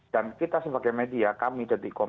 dan kita sebagai media kami dtkom